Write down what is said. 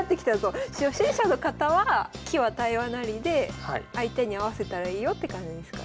初心者の方は「棋は対話なり」で相手に合わせたらいいよって感じですかね。